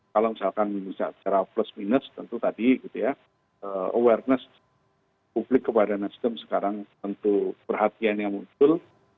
kalau misalkan misalnya plus minus tentu tadi awareness publik kepada nasjidem sekarang tentu perhatian yang muncul